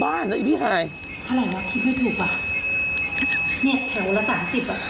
บ้านนะพี่หายเท่าไรน่ะคิดไม่ถูกอ่ะนี่แถวละสามสิบอ่ะ